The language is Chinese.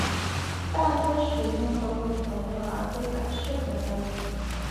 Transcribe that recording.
大多使用可口可乐而非百事可乐。